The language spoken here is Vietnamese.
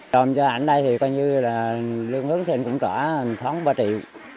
đồng cho ảnh đây thì coi như là lương hướng thì cũng có khoảng ba triệu